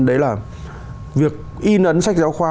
đấy là việc in ấn sách giáo khoa